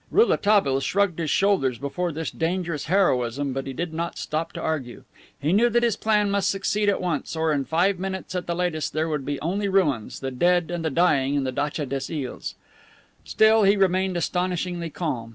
Rouletabille shrugged his shoulders before this dangerous heroism, but he did not stop to argue. He knew that his plan must succeed at once, or in five minutes at the latest there would be only ruins, the dead and the dying in the datcha des Iles. Still he remained astonishingly calm.